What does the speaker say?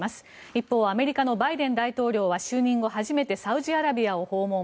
一方アメリカのバイデン大統領は就任後初めてサウジアラビアを訪問。